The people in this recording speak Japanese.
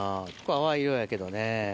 淡い色やけどね。